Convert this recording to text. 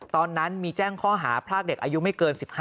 ตอนนั้นมีแจ้งข้อหาพรากเด็กอายุไม่เกิน๑๕